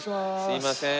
すいません。